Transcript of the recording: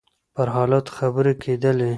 پر حالاتو خبرې کېدلې.